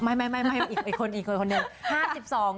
ไม่อีกคนหนึ่ง